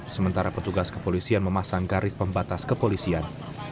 sementara petugas kepolisian memasang garis pembatas kepolisian